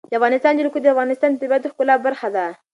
د افغانستان جلکو د افغانستان د طبیعت د ښکلا برخه ده.